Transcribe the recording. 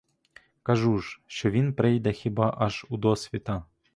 Кажу ж, що він прийде хіба аж удосвіта.